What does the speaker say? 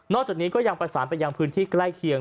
จากนี้ก็ยังประสานไปยังพื้นที่ใกล้เคียง